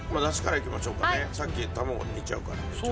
さっき卵似ちゃうから。